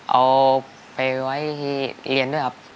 เอาไปไว้เรียนด้วยครับ